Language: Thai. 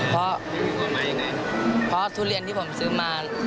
เพราะทุเรียนที่ผมซื้อมา